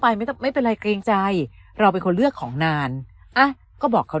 ไม่เป็นไรเกรงใจเราเป็นคนเลือกของนานอ่ะก็บอกเขา